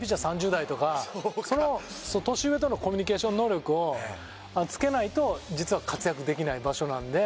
３０代とか年上とのコミュニケーション能力をつけないと実は活躍できない場所なんで。